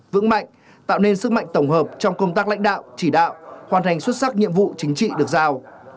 vững mạnh tạo nên sức mạnh tổng hợp trong công tác lãnh đạo chỉ đạo hoàn thành xuất sắc nhiệm vụ chính trị được giao